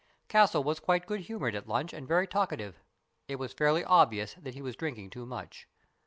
Castle was quite good humoured at lunch and very talkative ; it was fairly obvious that he was drinking too much.